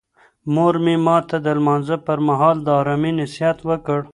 مور مې ماته د لمانځه پر مهال د آرامۍ نصیحت وکړ.